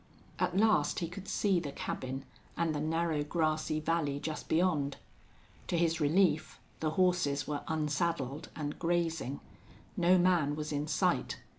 At last he could see the cabin and the narrow, grassy valley just beyond. To his relief the horses were unsaddled and grazing. No man was in sight.